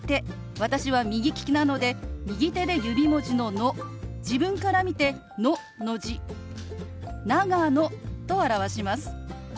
私は右利きなので右手で指文字の「ノ」自分から見て「ノ」の字「長野」と表します。